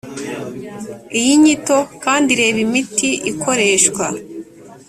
iyi nyito kandi ireba imiti ikoreshwa